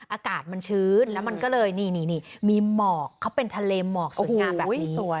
อากาศมันชื้นแล้วมันก็เลยนี่มีหมอกเขาเป็นทะเลหมอกสวยงามแบบนี้สวย